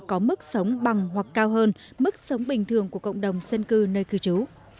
có mức sống bằng hoặc cao hơn mức sống bình thường của cộng đồng dân cư nơi cư trú